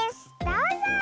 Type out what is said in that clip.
どうぞ！